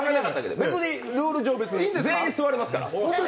別にルール上、全員座れますから。